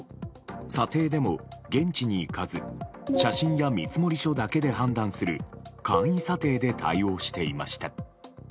査定でも現地に行かず写真や見積書だけで判断する簡易査定で対応していました。